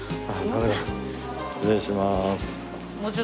失礼します。